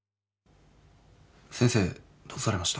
先生どうされました？